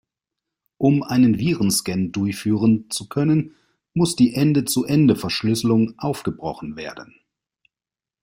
Um einen Virenscan durchführen zu können, muss die Ende-zu-Ende-Verschlüsselung aufgebrochen werden.